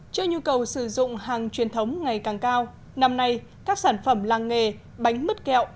trước nhu cầu sử dụng hàng truyền thống ngày càng cao năm nay các sản phẩm làng nghề bánh mứt kẹo